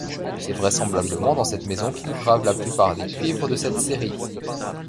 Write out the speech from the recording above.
C'est vraisemblablement dans cette maison qu'il grave la plupart des cuivres de cette série.